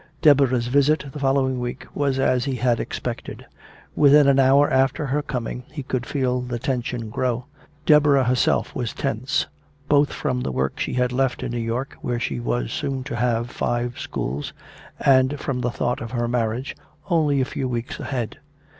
Deborah's visit, the following week, was as he had expected. Within an hour after her coming he could feel the tension grow. Deborah herself was tense, both from the work she had left in New York where she was soon to have five schools, and from the thought of her marriage, only a few weeks ahead.